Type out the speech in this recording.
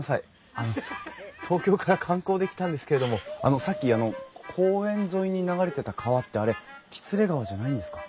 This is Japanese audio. あの東京から観光で来たんですけれどもあのさっきあの公園沿いに流れてた川ってあれ喜連川じゃないんですか？